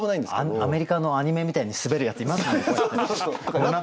アメリカのアニメみたいに滑るやついますもんこうやって。